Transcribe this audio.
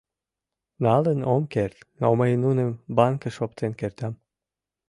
— Налын ом керт, но мый нуным банкыш оптен кертам.